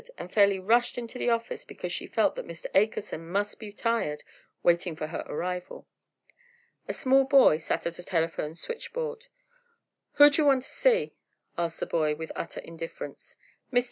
She fairly rushed into the office because she felt that Mr. Akerson must be tired waiting for her arrival. A small boy sat at a telephone switchboard. "Who d'yer wanta see?" asked the boy, with utter indifference. "Mr.